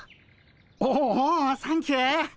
おおおサンキュー。